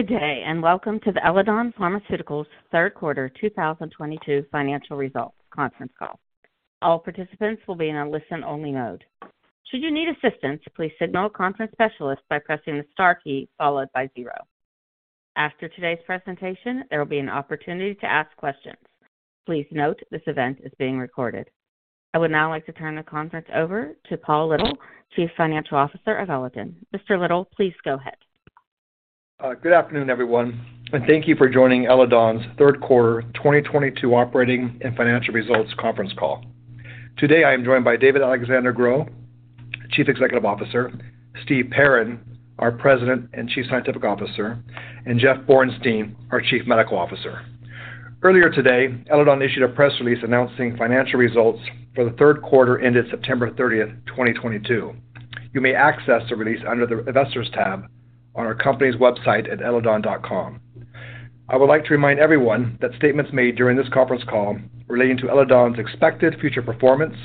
Good day, and welcome to the Eledon Pharmaceuticals third quarter 2022 financial results conference call. All participants will be in a listen-only mode. Should you need assistance, please signal a conference specialist by pressing the star key followed by zero. After today's presentation, there will be an opportunity to ask questions. Please note this event is being recorded. I would now like to turn the conference over to Paul Little, Chief Financial Officer of Eledon. Mr. Little, please go ahead. Good afternoon, everyone, and thank you for joining Eledon's third quarter 2022 operating and financial results conference call. Today, I am joined by David-Alexandre Gros, Chief Executive Officer, Steven Perrin, our President and Chief Scientific Officer, and Jeff Bornstein, our Chief Medical Officer. Earlier today, Eledon issued a press release announcing financial results for the third quarter ended September 30, 2022. You may access the release under the Investors tab on our company's website at eledon.com. I would like to remind everyone that statements made during this conference call relating to Eledon's expected future performance,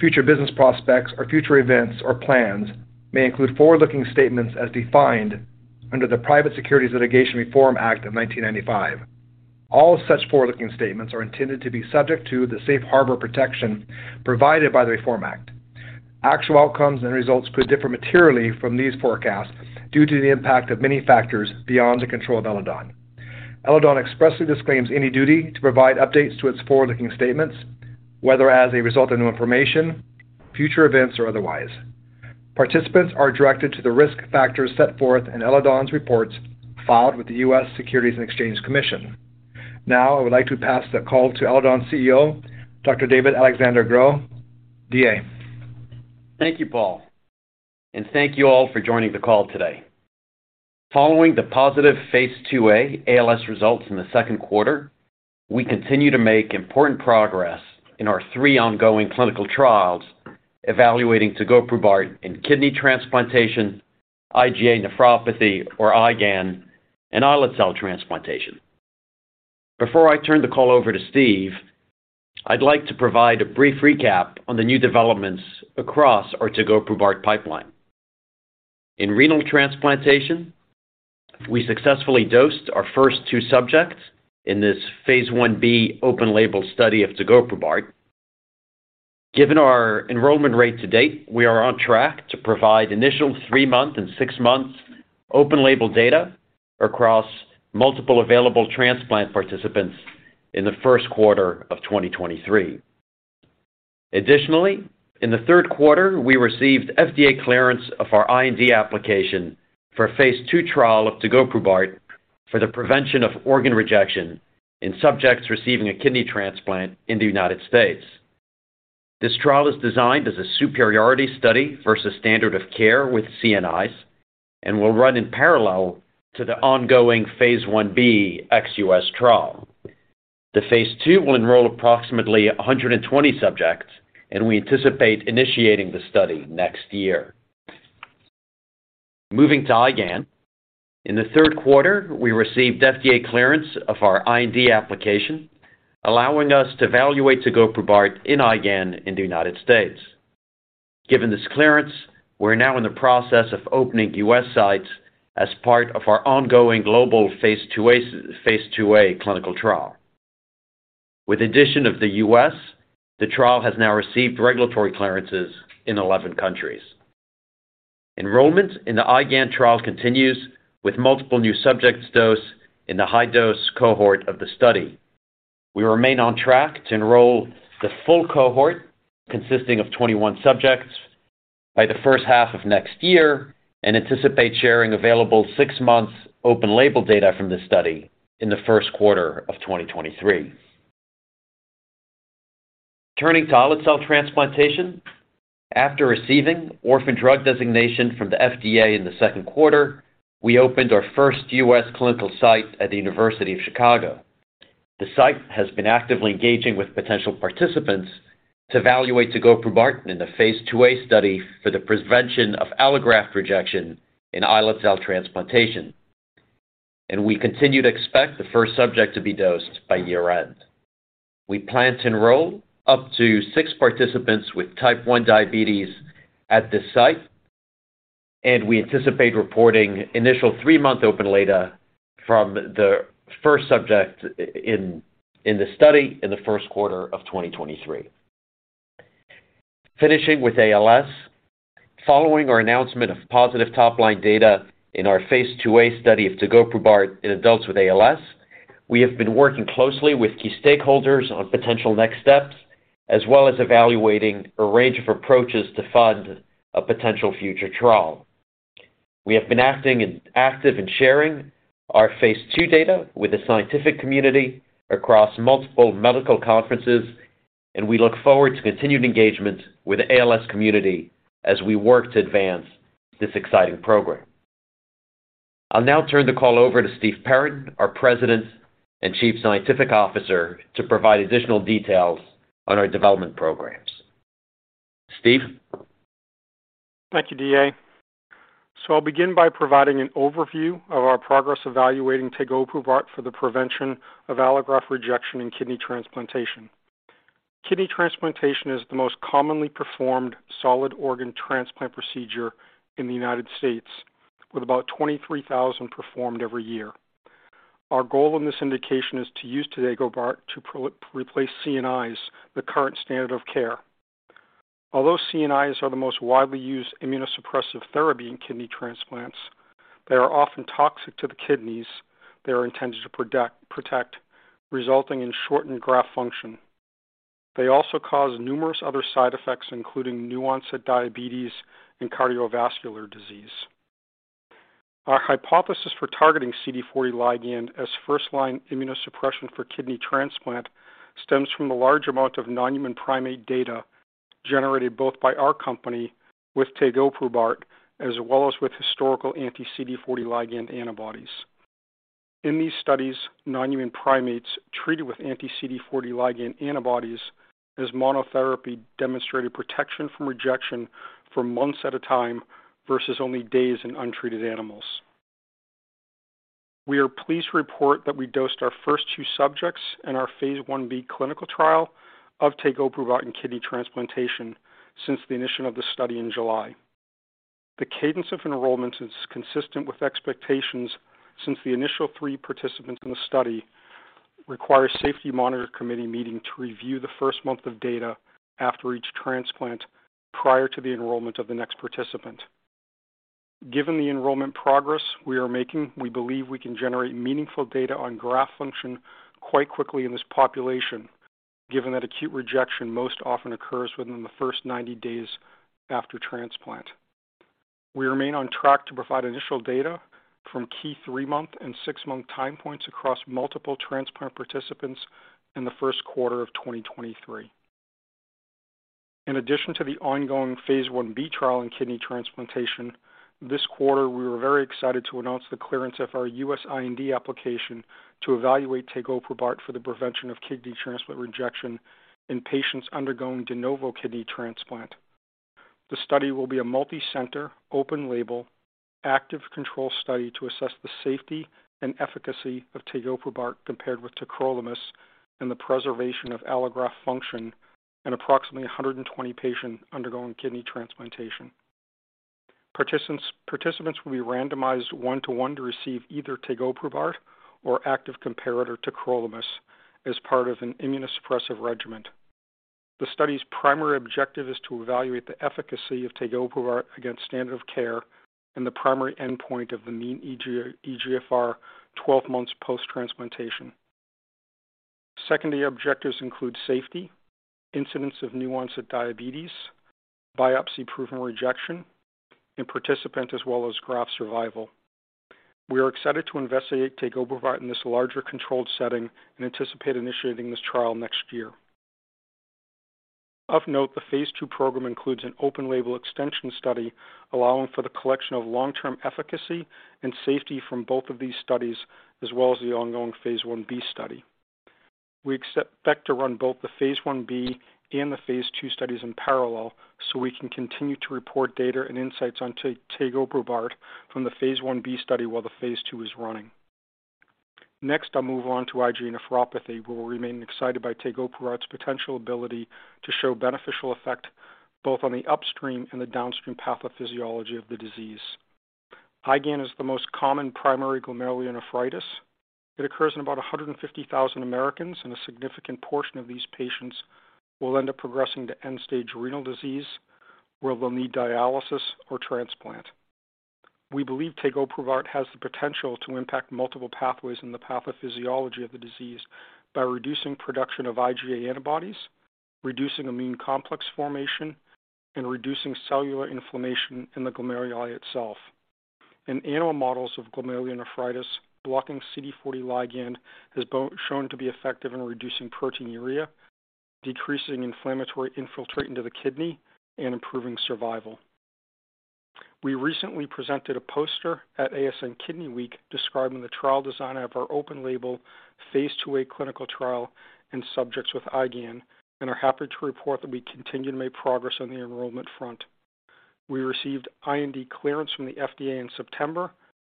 future business prospects, or future events or plans may include forward-looking statements as defined under the Private Securities Litigation Reform Act of 1995. All such forward-looking statements are intended to be subject to the safe harbor protection provided by the Reform Act. Actual outcomes and results could differ materially from these forecasts due to the impact of many factors beyond the control of Eledon. Eledon expressly disclaims any duty to provide updates to its forward-looking statements, whether as a result of new information, future events, or otherwise. Participants are directed to the risk factors set forth in Eledon's reports filed with the U.S. Securities and Exchange Commission. Now, I would like to pass the call to Eledon's CEO, Dr. David-Alexandre Gros. Thank you, Paul, and thank you all for joining the call today. Following the positive phase II-A ALS results in the second quarter, we continue to make important progress in our 3 ongoing clinical trials evaluating tegoprubart in kidney transplantation, IgA nephropathy, or IgAN, and islet cell transplantation. Before I turn the call over to Steve, I'd like to provide a brief recap on the new developments across our tegoprubart pipeline. In renal transplantation, we successfully dosed our first 2 subjects in this phase I-B open label study of tegoprubart. Given our enrollment rate to date, we are on track to provide initial 3-month and 6-month open label data across multiple available transplant participants in the first quarter of 2023. Additionally, in the third quarter, we received FDA clearance of our IND application for a phase II trial of tegoprubart for the prevention of organ rejection in subjects receiving a kidney transplant in the United States. This trial is designed as a superiority study versus standard of care with CNIs and will run in parallel to the ongoing phase Ib ex-U.S. trial. The phase II will enroll approximately 120 subjects, and we anticipate initiating the study next year. Moving to IgAN. In the third quarter, we received FDA clearance of our IND application, allowing us to evaluate tegoprubart in IgAN in the United States. Given this clearance, we're now in the process of opening U.S. sites as part of our ongoing global phase IIa clinical trial. With addition of the U.S., the trial has now received regulatory clearances in 11 countries. Enrollment in the IgAN trial continues with multiple new subjects dosed in the high-dose cohort of the study. We remain on track to enroll the full cohort consisting of 21 subjects by the first half of next year and anticipate sharing available 6 months open label data from this study in the first quarter of 2023. Turning to islet cell transplantation. After receiving orphan drug designation from the FDA in the second quarter, we opened our first U.S. clinical site at the University of Chicago. The site has been actively engaging with potential participants to evaluate tegoprubart in the phase II-a study for the prevention of allograft rejection in islet cell transplantation. We continue to expect the first subject to be dosed by year-end. We plan to enroll up to 6 participants with type 1 diabetes at this site, and we anticipate reporting initial 3 month open label data from the first subject in the study in the first quarter of 2023. Finishing with ALS. Following our announcement of positive top-line data in our phase II-a study of tegoprubart in adults with ALS, we have been working closely with key stakeholders on potential next steps, as well as evaluating a range of approaches to fund a potential future trial. We have been active in sharing our phase II data with the scientific community across multiple medical conferences, and we look forward to continued engagement with the ALS community as we work to advance this exciting program. I'll now turn the call over to Steven Perrin, our President and Chief Scientific Officer, to provide additional details on our development programs. Steve. Thank you, DA. I'll begin by providing an overview of our progress evaluating tegoprubart for the prevention of allograft rejection in kidney transplantation. Kidney transplantation is the most commonly performed solid organ transplant procedure in the United States, with about 23,000 performed every year. Our goal in this indication is to use tegoprubart to replace CNIs, the current standard of care. Although CNIs are the most widely used immunosuppressive therapy in kidney transplants, they are often toxic to the kidneys they are intended to protect, resulting in shortened graft function. They also cause numerous other side effects, including new-onset diabetes and cardiovascular disease. Our hypothesis for targeting CD40 ligand as first-line immunosuppression for kidney transplant stems from the large amount of non-human primate data generated both by our company with tegoprubart, as well as with historical anti-CD40 ligand antibodies. In these studies, non-human primates treated with anti-CD40 ligand antibodies as monotherapy demonstrated protection from rejection for months at a time versus only days in untreated animals. We are pleased to report that we dosed our first 2 subjects in our phase Ib clinical trial of tegoprubart in kidney transplantation since the initiation of the study in July. The cadence of enrollment is consistent with expectations since the initial 3 participants in the study require a safety monitor committee meeting to review the first month of data after each transplant prior to the enrollment of the next participant. Given the enrollment progress we are making, we believe we can generate meaningful data on graft function quite quickly in this population, given that acute rejection most often occurs within the first 90 days after transplant. We remain on track to provide initial data from key 3-month and 6-month time points across multiple transplant participants in the first quarter of 2023. In addition to the ongoing phase Ib trial in kidney transplantation, this quarter we were very excited to announce the clearance of our U.S. IND application to evaluate tegoprubart for the prevention of kidney transplant rejection in patients undergoing de novo kidney transplant. The study will be a multicenter, open-label, active control study to assess the safety and efficacy of tegoprubart compared with tacrolimus and the preservation of allograft function in approximately 120 patients undergoing kidney transplantation. Participants will be randomized 1:1 to receive either tegoprubart or active comparator tacrolimus as part of an immunosuppressive regimen. The study's primary objective is to evaluate the efficacy of tegoprubart against standard of care and the primary endpoint of the mean eGFR 12 months post-transplantation. Secondary objectives include safety, incidence of new-onset diabetes, biopsy-proven rejection, and participant as well as graft survival. We are excited to investigate tegoprubart in this larger controlled setting and anticipate initiating this trial next year. Of note, the phase II program includes an open-label extension study allowing for the collection of long-term efficacy and safety from both of these studies, as well as the ongoing phase Ib study. We expect to run both the phase Ib and the phase II studies in parallel so we can continue to report data and insights on tegoprubart from the phase Ib study while the phase II is running. Next, I'll move on to IgA nephropathy. We'll remain excited by tegoprubart's potential ability to show beneficial effect both on the upstream and the downstream pathophysiology of the disease. IgAN is the most common primary glomerulonephritis. It occurs in about 150,000 Americans, and a significant portion of these patients will end up progressing to end-stage renal disease, where they'll need dialysis or transplant. We believe tegoprubart has the potential to impact multiple pathways in the pathophysiology of the disease by reducing production of IgA antibodies, reducing immune complex formation, and reducing cellular inflammation in the glomeruli itself. In animal models of glomerulonephritis, blocking CD40 ligand has been shown to be effective in reducing proteinuria, decreasing inflammatory infiltrate into the kidney, and improving survival. We recently presented a poster at ASN Kidney Week describing the trial design of our open-label phase IIa clinical trial in subjects with IgAN and are happy to report that we continue to make progress on the enrollment front. We received IND clearance from the FDA in September,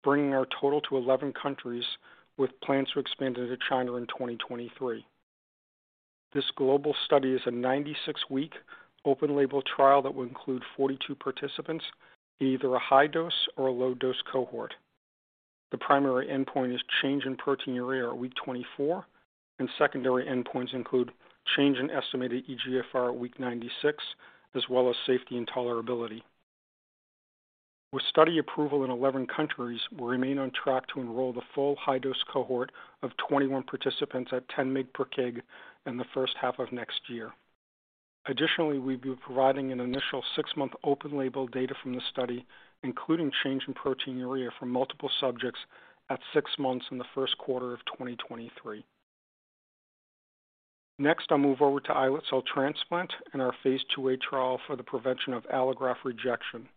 bringing our total to 11 countries, with plans to expand into China in 2023. This global study is a 96-week open-label trial that will include 42 participants in either a high-dose or a low-dose cohort. The primary endpoint is change in proteinuria at week 24, and secondary endpoints include change in estimated eGFR at week 96, as well as safety and tolerability. With study approval in 11 countries, we remain on track to enroll the full high-dose cohort of 21 participants at 10 mg per kg in the first half of next year. Additionally, we'll be providing an initial 6-month open-label data from the study, including change in proteinuria from multiple subjects at 6 months in the first quarter of 2023. Next, I'll move over to islet cell transplant and our phase IIa trial for the prevention of allograft rejection.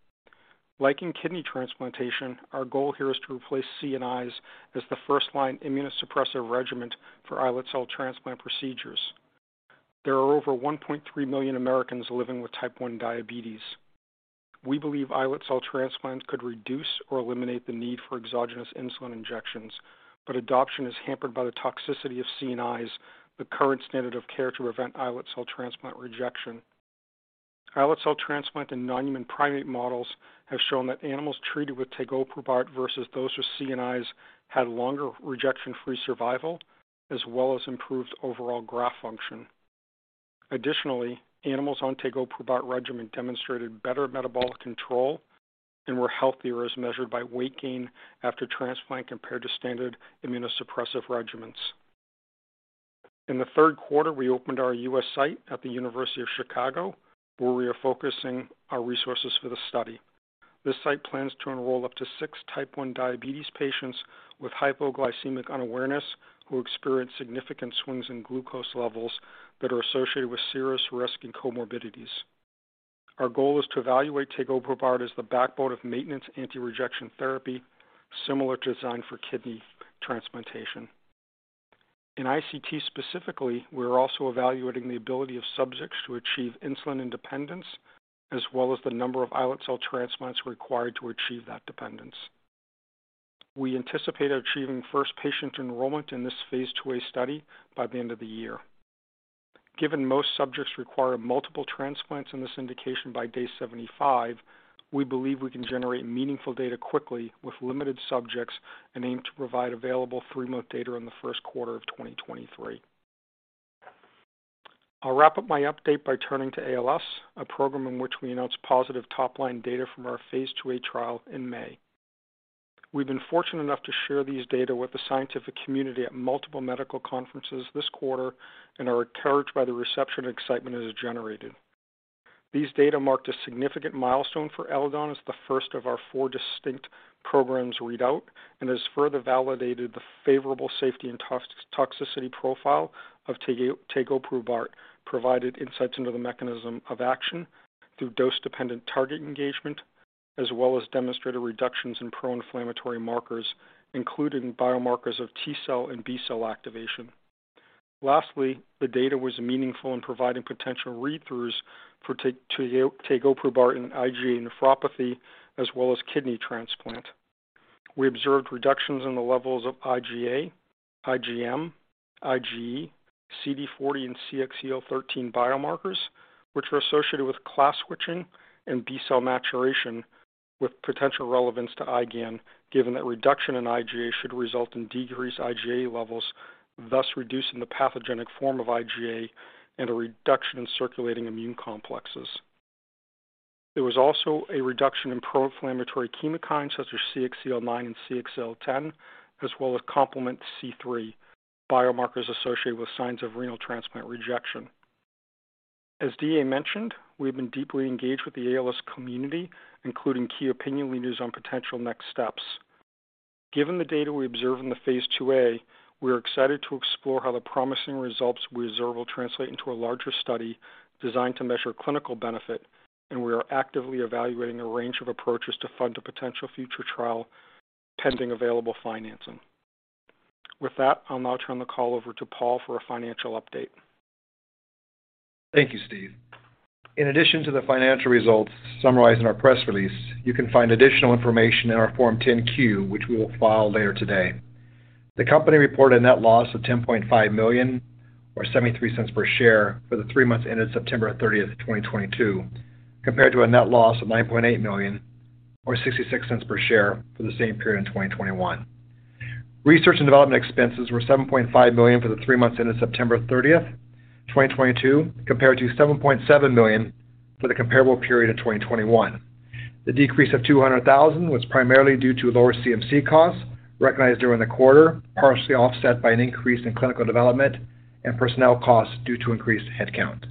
Like in kidney transplantation, our goal here is to replace CNIs as the first-line immunosuppressive regimen for islet cell transplant procedures. There are over 1.3 million Americans living with type 1 diabetes. We believe islet cell transplants could reduce or eliminate the need for exogenous insulin injections, but adoption is hampered by the toxicity of CNIs, the current standard of care to prevent islet cell transplant rejection. Islet cell transplant in non-human primate models have shown that animals treated with tegoprubart versus those with CNIs had longer rejection-free survival as well as improved overall graft function. Additionally, animals on tegoprubart regimen demonstrated better metabolic control and were healthier as measured by weight gain after transplant compared to standard immunosuppressive regimens. In the third quarter, we opened our U.S. site at the University of Chicago, where we are focusing our resources for the study. This site plans to enroll up to 6 type 1 diabetes patients with hypoglycemic unawareness who experience significant swings in glucose levels that are associated with serious risk and comorbidities. Our goal is to evaluate tegoprubart as the backbone of maintenance anti-rejection therapy, similar to design for kidney transplantation. In ICT specifically, we're also evaluating the ability of subjects to achieve insulin independence, as well as the number of islet cell transplants required to achieve that dependence. We anticipate achieving first patient enrollment in this phase IIa study by the end of the year. Given most subjects require multiple transplants in this indication by day 75, we believe we can generate meaningful data quickly with limited subjects and aim to provide available 3 month data in the first quarter of 2023. I'll wrap up my update by turning to ALS, a program in which we announced positive top-line data from our phase IIa trial in May. We've been fortunate enough to share these data with the scientific community at multiple medical conferences this quarter and are encouraged by the reception and excitement it has generated. These data marked a significant milestone for Eledon as the first of our 4 distinct programs read out, and has further validated the favorable safety and toxicity profile of tegoprubart, provided insights into the mechanism of action through dose-dependent target engagement, as well as demonstrated reductions in pro-inflammatory markers, including biomarkers of T-cell and B-cell activation. Lastly, the data was meaningful in providing potential read-throughs for tegoprubart in IgA nephropathy as well as kidney transplant. We observed reductions in the levels of IgA, IgM, IgE, CD40, and CXCL13 biomarkers, which were associated with class switching and B-cell maturation with potential relevance to IgAN, given that reduction in IgA should result in decreased IgA levels, thus reducing the pathogenic form of IgA and a reduction in circulating immune complexes. There was also a reduction in pro-inflammatory chemokines such as CXCL9 and CXCL10, as well as complement C3, biomarkers associated with signs of renal transplant rejection. As D.A. mentioned, we have been deeply engaged with the ALS community, including key opinion leaders on potential next steps. Given the data we observe in the phase IIa, we are excited to explore how the promising results we observe will translate into a larger study designed to measure clinical benefit, and we are actively evaluating a range of approaches to fund a potential future trial pending available financing. With that, I'll now turn the call over to Paul for a financial update. Thank you, Steve. In addition to the financial results summarized in our press release, you can find additional information in our Form 10-Q, which we will file later today. The company reported a net loss of $10.5 million, or $0.73 per share for the 3 months ended September 30, 2022, compared to a net loss of $9.8 million or $0.66 per share for the same period in 2021. Research and development expenses were $7.5 million for the 3 months ended September 30, 2022, compared to $7.7 million for the comparable period in 2021. The decrease of $200,000 was primarily due to lower CMC costs recognized during the quarter, partially offset by an increase in clinical development and personnel costs due to increased headcount.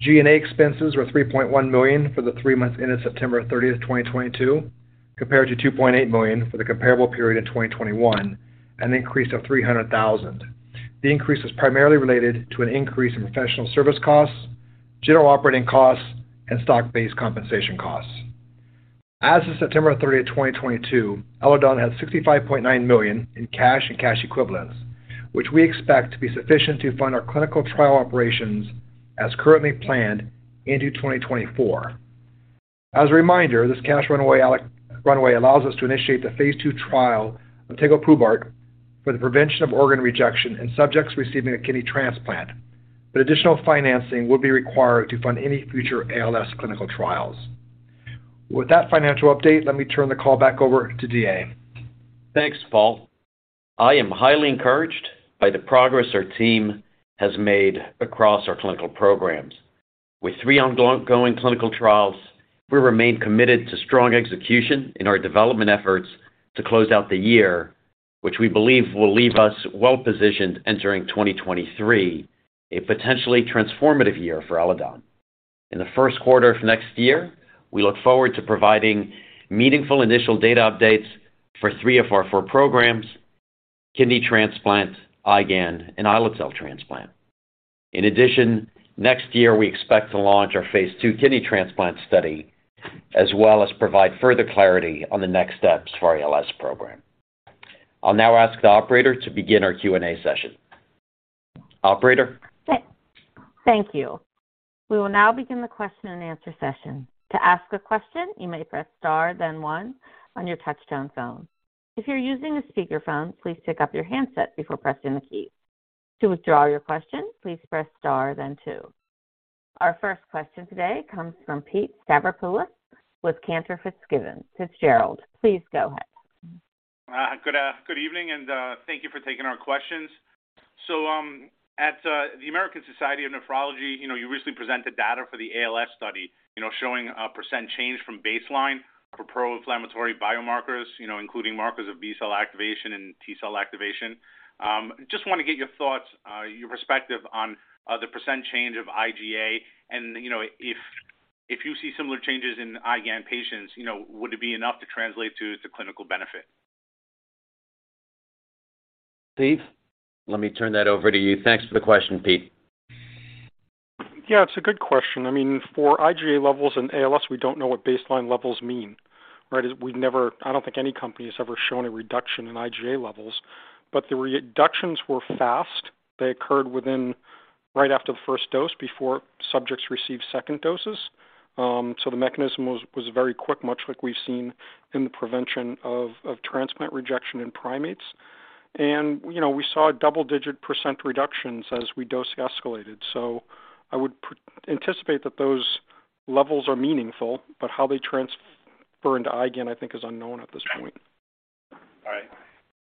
G&A expenses were $3.1 million for the 3 months ended September 30, 2022, compared to $2.8 million for the comparable period in 2021, an increase of $300 thousand. The increase was primarily related to an increase in professional service costs, general operating costs, and stock-based compensation costs. As of September 30, 2022, Eledon had $65.9 million in cash and cash equivalents, which we expect to be sufficient to fund our clinical trial operations as currently planned into 2024. As a reminder, this cash runway allows us to initiate the phase II trial of tegoprubart for the prevention of organ rejection in subjects receiving a kidney transplant, but additional financing will be required to fund any future ALS clinical trials. With that financial update, let me turn the call back over to DA. Thanks, Paul. I am highly encouraged by the progress our team has made across our clinical programs. With 3 ongoing clinical trials, we remain committed to strong execution in our development efforts to close out the year, which we believe will leave us well positioned entering 2023, a potentially transformative year for Eledon. In the first quarter of next year, we look forward to providing meaningful initial data updates for 3 of our 4 programs: kidney transplant, IgAN, and islet cell transplant. In addition, next year, we expect to launch our phase II kidney transplant study, as well as provide further clarity on the next steps for our ALS program. I'll now ask the operator to begin our Q&A session. Operator? Thank you. We will now begin the question and answer session. To ask a question, you may press star then one on your touchtone phone. If you're using a speakerphone, please pick up your handset before pressing the key. To withdraw your question, please press star then two. Our first question today comes from Pete Stavropoulos with Cantor Fitzgerald. Please go ahead. Good evening and thank you for taking our questions. At the American Society of Nephrology, you know, you recently presented data for the ALS study, you know, showing a % change from baseline for proinflammatory biomarkers, you know, including markers of B-cell activation and T-cell activation. Just wanna get your thoughts, your perspective on the % change of IgA and you know, if you see similar changes in IgAN patients, you know, would it be enough to translate to clinical benefit? Steve, let me turn that over to you. Thanks for the question, Pete. Yeah, it's a good question. I mean, for IgA levels in ALS, we don't know what baseline levels mean, right? I don't think any company has ever shown a reduction in IgA levels, but the reductions were fast. They occurred right after the first dose, before subjects received second doses. The mechanism was very quick, much like we've seen in the prevention of transplant rejection in primates. You know, we saw double-digit % reductions as we dose escalated. I would anticipate that those levels are meaningful, but how they transfer into IgAN, I think is unknown at this point. All right.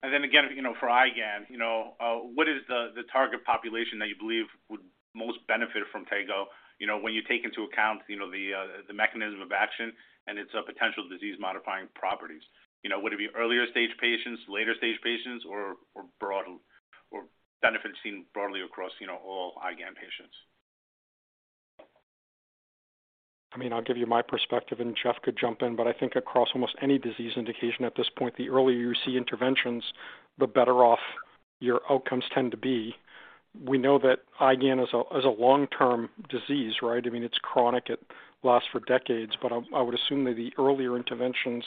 Again, you know, for IgAN, you know, what is the target population that you believe would most benefit from Tego? You know, when you take into account, you know, the mechanism of action and its potential disease-modifying properties. You know, would it be earlier stage patients, later stage patients, or broad or benefits seen broadly across, you know, all IgAN patients? I mean, I'll give you my perspective, and Jeff could jump in, but I think across almost any disease indication at this point, the earlier you see interventions, the better off your outcomes tend to be. We know that IgAN is a long-term disease, right? I mean, it's chronic. It lasts for decades, but I would assume that the earlier interventions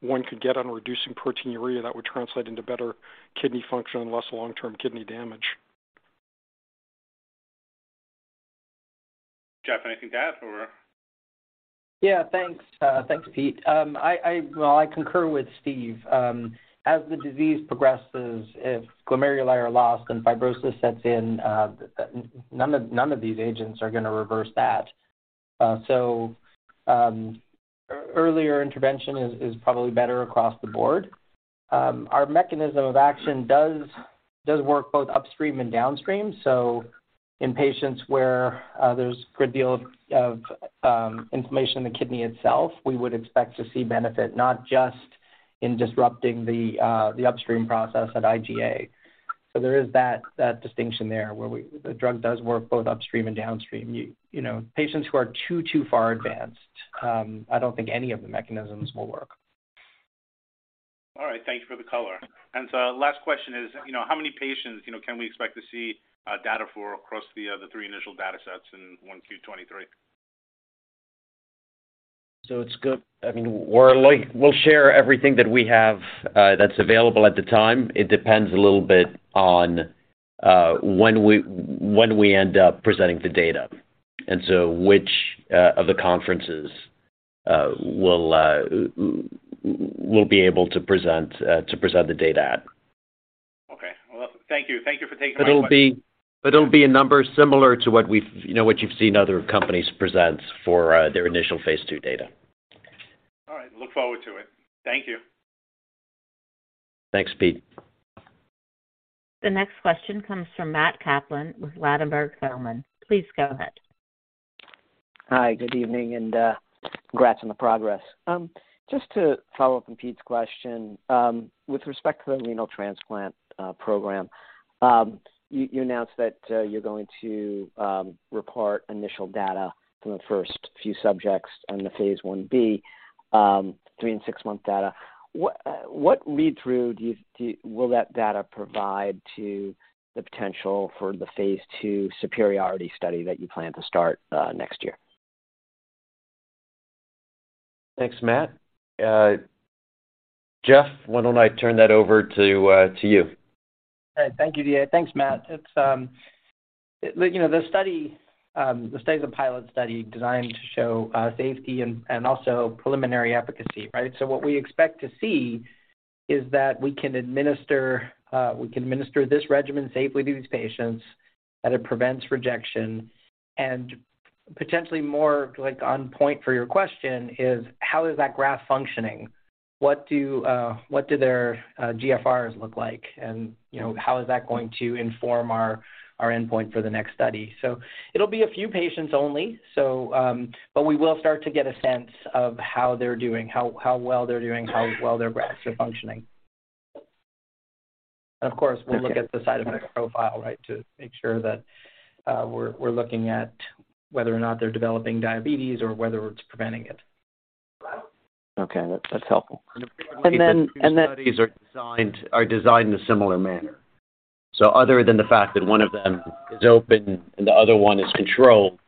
one could get on reducing proteinuria, that would translate into better kidney function and less long-term kidney damage. Jeff, anything to add or? Yeah. Thanks. Thanks, Pete. Well, I concur with Steve. As the disease progresses, if glomeruli are lost and fibrosis sets in, none of these agents are gonna reverse that. Earlier intervention is probably better across the board. Our mechanism of action does work both upstream and downstream. In patients where there's a good deal of inflammation in the kidney itself, we would expect to see benefit, not just in disrupting the upstream process at IgA. There is that distinction there, where the drug does work both upstream and downstream. You know, patients who are too far advanced, I don't think any of the mechanisms will work. All right. Thank you for the color. Last question is, you know, how many patients, you know, can we expect to see data for across the 3 initial data sets in 1Q23? I mean, we'll share everything that we have that's available at the time. It depends a little bit on when we end up presenting the data and so which of the conferences we'll be able to present the data at. Okay. Well, thank you. Thank you for taking my question. It'll be a number similar to what you've seen other companies present for, you know, their initial phase II data. All right. Look forward to it. Thank you. Thanks, Pete. The next question comes from Matthew Kaplan with Ladenburg Thalmann. Please go ahead. Hi, good evening. Congrats on the progress. Just to follow up on Pete's question, with respect to the renal transplant program, you announced that you're going to report initial data from the first few subjects on the phase Ib 3- and 6-month data. What read-through will that data provide to the potential for the phase II superiority study that you plan to start next year? Thanks, Matt. Jeff, why don't I turn that over to you? All right. Thank you, DA. Thanks, Matt. It's you know the study is a pilot study designed to show safety and also preliminary efficacy, right? What we expect to see is that we can administer this regimen safely to these patients, that it prevents rejection. Potentially more like on point for your question is, how is that graft functioning? What do their GFRs look like? You know, how is that going to inform our endpoint for the next study? It'll be a few patients only, but we will start to get a sense of how they're doing, how well they're doing, how well their grafts are functioning. Of course- Okay. We'll look at the side effect profile, right, to make sure that we're looking at whether or not they're developing diabetes or whether it's preventing it. Okay. That's helpful. The phase II studies are designed in a similar manner. Other than the fact that one of them is open and the other one is controlled.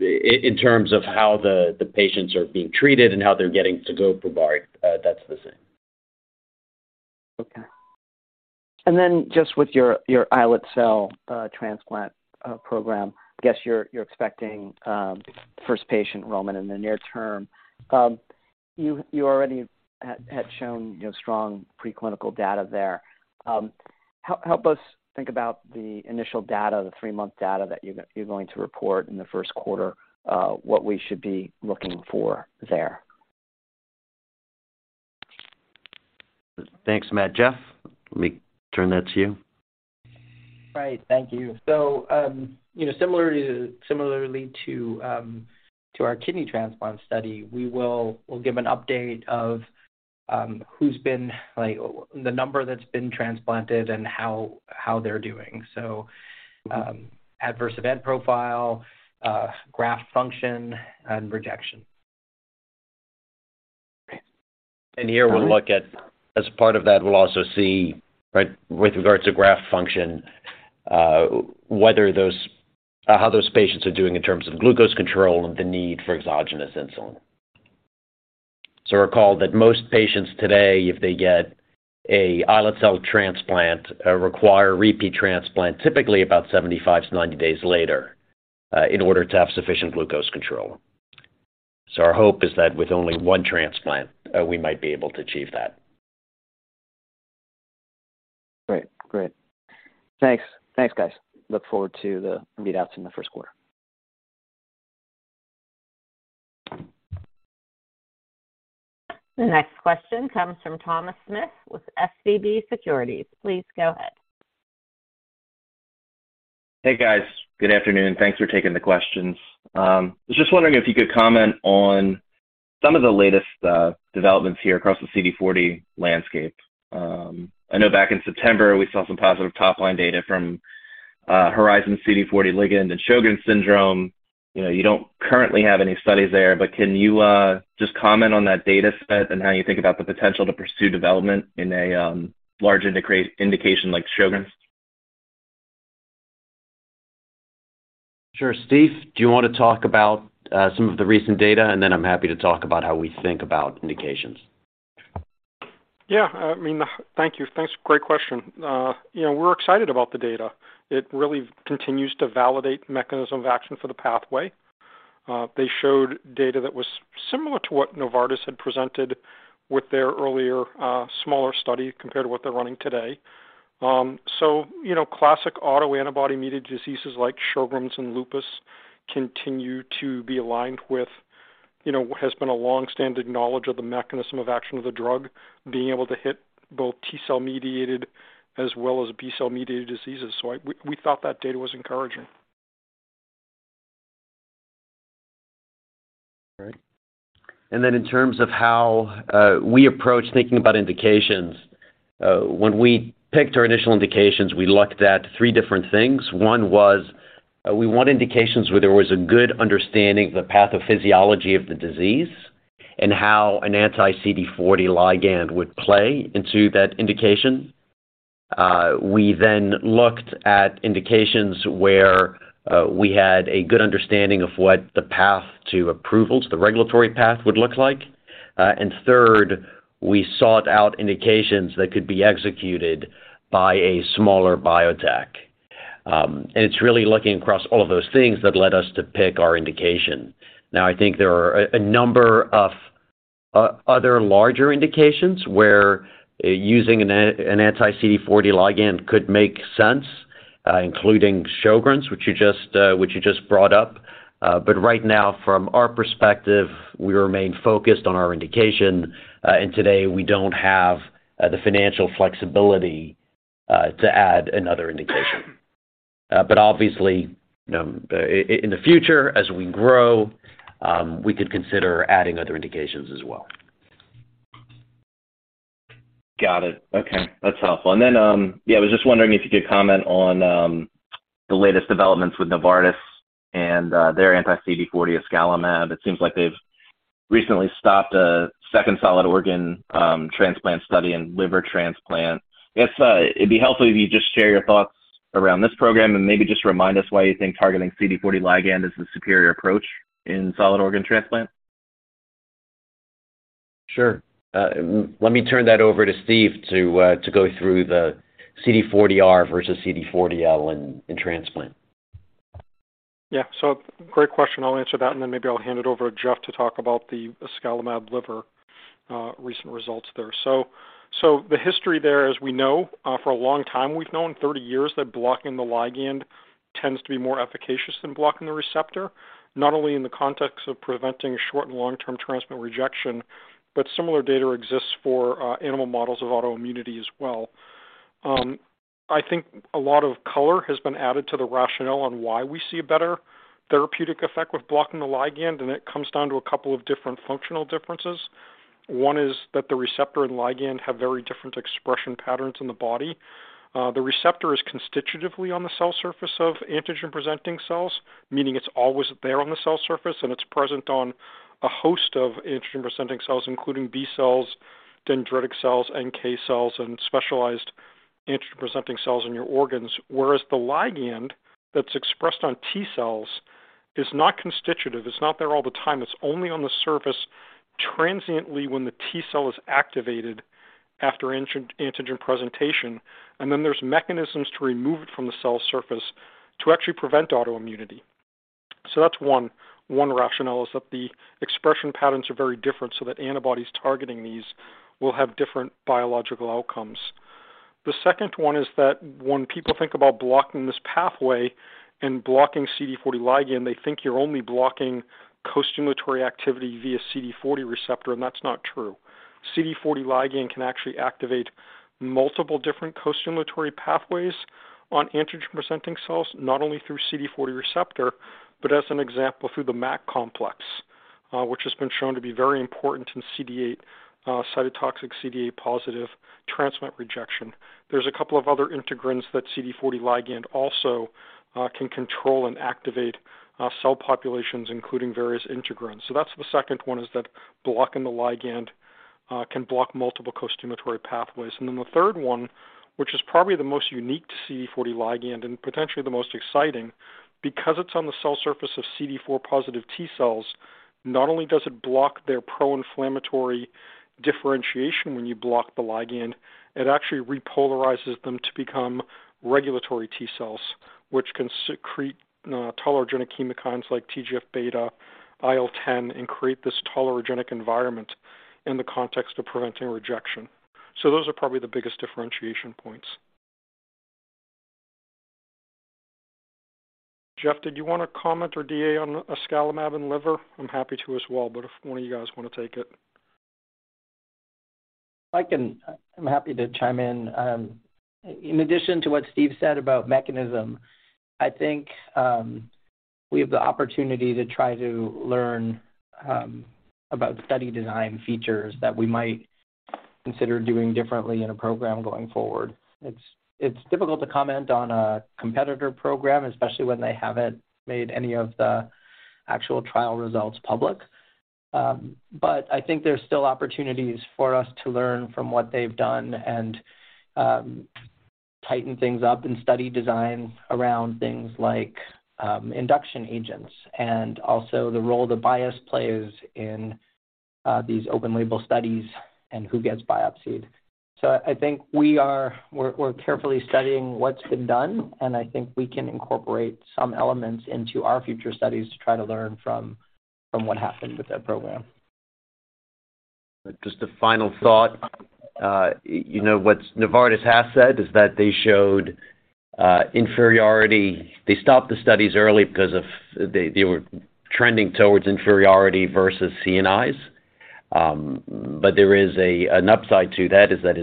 In terms of how the patients are being treated and how they're getting to go for biopsy, that's the same. Okay. Just with your islet cell transplant program, I guess you're expecting first patient enrollment in the near term. You already had shown, you know, strong preclinical data there. Help us think about the initial data, the 3 month data that you're going to report in the first quarter, what we should be looking for there. Thanks, Matt. Jeff, let me turn that to you. Right. Thank you. You know, similarly to our kidney transplant study, we will give an update of who's been, like, the number that's been transplanted and how they're doing. Adverse event profile, graft function, and rejection. Here we'll look at, as part of that, we'll also see, right, with regards to graft function, how those patients are doing in terms of glucose control and the need for exogenous insulin. Recall that most patients today, if they get an islet cell transplant, require repeat transplant typically about 75-90 days later, in order to have sufficient glucose control. Our hope is that with only one transplant, we might be able to achieve that. Great. Thanks, guys. Look forward to the readouts in the first quarter. The next question comes from Thomas Smith with SVB Securities. Please go ahead. Hey, guys. Good afternoon. Thanks for taking the questions. I was just wondering if you could comment on some of the latest developments here across the CD40 landscape. I know back in September, we saw some positive top-line data from Horizon's CD40 ligand and Sjögren's syndrome. You know, you don't currently have any studies there, but can you just comment on that data set and how you think about the potential to pursue development in a large indication like Sjögren's? Sure. Steve, do you wanna talk about some of the recent data? I'm happy to talk about how we think about indications. Yeah. I mean, thank you. Thanks. Great question. You know, we're excited about the data. It really continues to validate mechanism of action for the pathway. They showed data that was similar to what Novartis had presented with their earlier, smaller study compared to what they're running today. So, you know, classic autoantibody-mediated diseases like Sjögren's and lupus continue to be aligned with, you know, what has been a long-standing knowledge of the mechanism of action of the drug being able to hit both T-cell mediated as well as B-cell mediated diseases. We thought that data was encouraging. All right. Then in terms of how we approach thinking about indications, when we picked our initial indications, we looked at 3 different things. 1 was we want indications where there was a good understanding of the pathophysiology of the disease and how an anti-CD40 ligand would play into that indication. We then looked at indications where we had a good understanding of what the path to approval, to the regulatory path would look like. Third, we sought out indications that could be executed by a smaller biotech. It's really looking across all of those things that led us to pick our indication. Now, I think there are a number of other larger indications where using an anti-CD40 ligand could make sense, including Sjögren's, which you just brought up. Right now, from our perspective, we remain focused on our indication, and today we don't have the financial flexibility to add another indication. But obviously, you know, in the future as we grow, we could consider adding other indications as well. Got it. Okay. That's helpful. Then, yeah, I was just wondering if you could comment on the latest developments with Novartis and their anti-CD40 iscalimab. It seems like they've recently stopped a second solid organ transplant study and liver transplant. I guess, it'd be helpful if you just share your thoughts around this program and maybe just remind us why you think targeting CD40 ligand is the superior approach in solid organ transplant. Sure. Let me turn that over to Steve to go through the CD40R versus CD40L in transplant. Yeah. Great question. I'll answer that, and then maybe I'll hand it over to Jeff to talk about the iscalimab liver recent results there. The history there, as we know, for a long time, we've known 30 years that blocking the ligand tends to be more efficacious than blocking the receptor, not only in the context of preventing short and long-term transplant rejection, but similar data exists for animal models of autoimmunity as well. I think a lot of color has been added to the rationale on why we see a better therapeutic effect with blocking the ligand, and it comes down to a couple of different functional differences. 1 is that the receptor and ligand have very different expression patterns in the body. The receptor is constitutively on the cell surface of antigen-presenting cells, meaning it's always there on the cell surface, and it's present on a host of antigen-presenting cells, including B cells, dendritic cells, NK cells, and specialized antigen-presenting cells in your organs. Whereas the ligand that's expressed on T cells is not constitutive, it's not there all the time. It's only on the surface transiently when the T-cell is activated after antigen presentation. There's mechanisms to remove it from the cell surface to actually prevent autoimmunity. That's one rationale is that the expression patterns are very different so that antibodies targeting these will have different biological outcomes. The second one is that when people think about blocking this pathway and blocking CD40 ligand, they think you're only blocking costimulatory activity via CD40 receptor, and that's not true. CD40 ligand can actually activate multiple different costimulatory pathways on antigen-presenting cells, not only through CD40 receptor, but as an example, through the MAC complex, which has been shown to be very important in CD8 cytotoxic CD8 positive transplant rejection. There's a couple of other integrins that CD40 ligand also can control and activate cell populations, including various integrins. So that's the second one, is that blocking the ligand can block multiple costimulatory pathways. Then the third one, which is probably the most unique to CD40 ligand and potentially the most exciting, because it's on the cell surface of CD4 positive T-cells, not only does it block their pro-inflammatory differentiation when you block the ligand, it actually repolarizes them to become regulatory T-cells, which can secrete tolerogenic chemokines like TGF-beta, IL-10, and create this tolerogenic environment in the context of preventing rejection. Those are probably the biggest differentiation points. Jeff, did you wanna comment or DA on iscalimab and liver? I'm happy to as well, but if one of you guys wanna take it. I can. I'm happy to chime in. In addition to what Steve said about mechanism, I think we have the opportunity to try to learn about study design features that we might consider doing differently in a program going forward. It's difficult to comment on a competitor program, especially when they haven't made any of the actual trial results public. I think there's still opportunities for us to learn from what they've done and tighten things up in study design around things like induction agents and also the role the bias plays in these open label studies and who gets biopsied. I think we're carefully studying what's been done, and I think we can incorporate some elements into our future studies to try to learn from what happened with their program. Just a final thought. You know, what Novartis has said is that they showed inferiority. They stopped the studies early because they were trending towards inferiority versus CNIs. But there is an upside to that, is that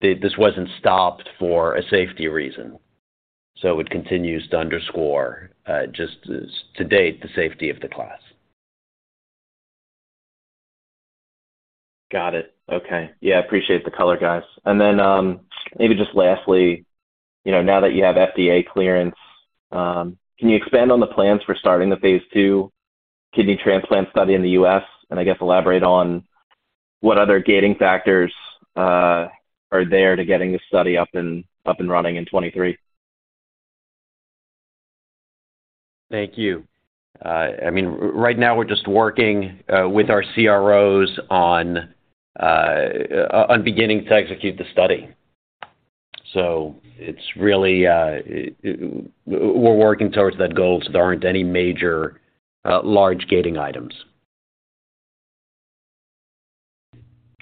this wasn't stopped for a safety reason. It continues to underscore just to date the safety of the class. Got it. Okay. Yeah, appreciate the color, guys. Then, maybe just lastly, you know, now that you have FDA clearance, can you expand on the plans for starting the phase II kidney transplant study in the U.S. and I guess elaborate on what other gating factors are there to getting the study up and running in 2023? Thank you. I mean, right now we're just working with our CROs on beginning to execute the study. We're working towards that goal, there aren't any major large gating items.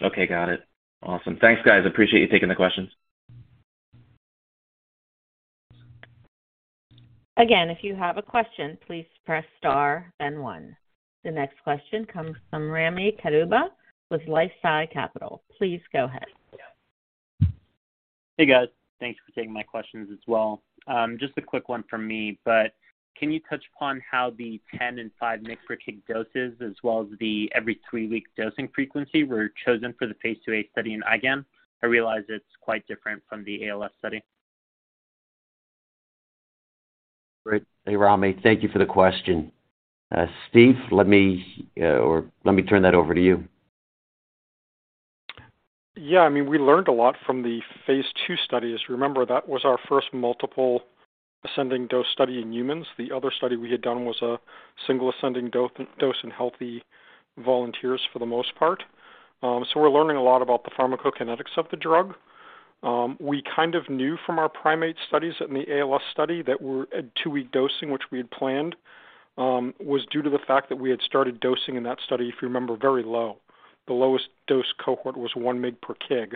Okay, got it. Awesome. Thanks, guys. Appreciate you taking the questions. Again, if you have a question, please press star then one. The next question comes from Rami Kado with LifeSci Capital. Please go ahead. Hey, guys. Thanks for taking my questions as well. Just a quick one from me, but can you touch upon how the 10 and 5 mg per kg doses as well as the every 3-week dosing frequency were chosen for the phase IIa study in IgAN? I realize it's quite different from the ALS study. Great. Hey, Rami, thank you for the question. Steve, let me turn that over to you. Yeah, I mean, we learned a lot from the phase II studies. Remember, that was our first multiple ascending dose study in humans. The other study we had done was a single ascending dose in healthy volunteers for the most part. We're learning a lot about the pharmacokinetics of the drug. We kind of knew from our primate studies in the ALS study that we're at 2-week dosing, which we had planned, was due to the fact that we had started dosing in that study, if you remember, very low. The lowest dose cohort was 1 mg per kg.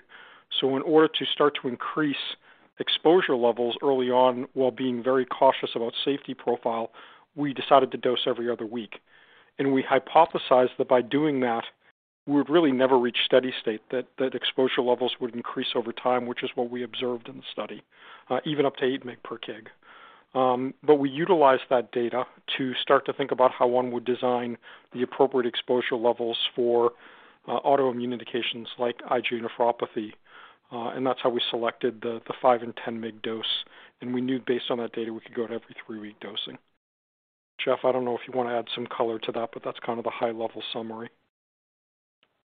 In order to start to increase exposure levels early on while being very cautious about safety profile, we decided to dose every other week. We hypothesized that by doing that, we would really never reach steady state, that exposure levels would increase over time, which is what we observed in the study, even up to 8 mg per kg. We utilized that data to start to think about how one would design the appropriate exposure levels for autoimmune indications like IgA nephropathy. That's how we selected the 5 and 10 mg dose. We knew based on that data we could go to every 3-week dosing. Jeff, I don't know if you wanna add some color to that, but that's kind of the high-level summary.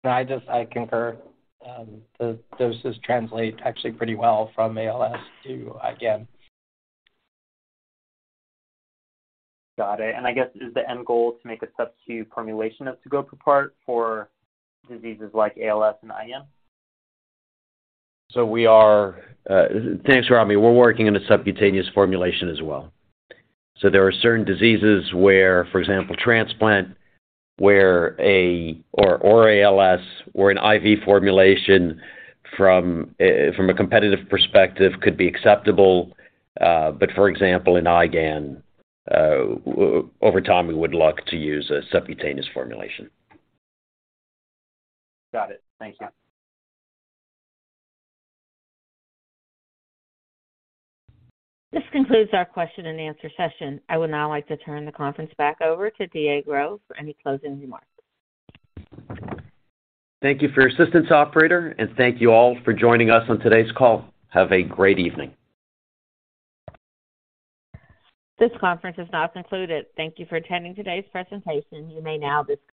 No, I concur. The doses translate actually pretty well from ALS to IgAN. Got it. I guess, is the end goal to make a subcu formulation of tegoprubart for diseases like ALS and IgAN? Thanks, Rami. We're working on a subcutaneous formulation as well. There are certain diseases where, for example, transplant or ALS, where an IV formulation from a competitive perspective could be acceptable. For example, in IgAN, over time, we would look to use a subcutaneous formulation. Got it. Thank you. This concludes our question and answer session. I would now like to turn the conference back over to D.A. for any closing remarks. Thank you for your assistance, operator, and thank you all for joining us on today's call. Have a great evening. This conference is now concluded. Thank you for attending today's presentation. You may now disconnect.